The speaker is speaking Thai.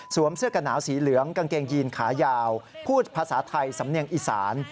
เสื้อกระหนาวสีเหลืองกางเกงยีนขายาวพูดภาษาไทยสำเนียงอีสาน